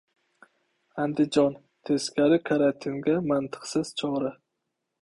Andijon: «teskari karatin»ga mantiqsiz chora?!